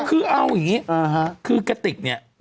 เราเล่าด้านนิดนึง